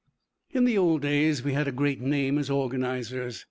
II In old days we had a great name as organisers.